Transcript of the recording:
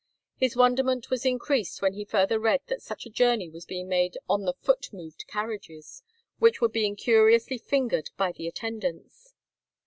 His wonderment was increased when he further read that such a journey was being made on the "foot moved carriages," which were being curiously fingered by the attendants.